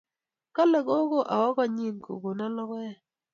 Kale kogo awo konyin kogono logoek.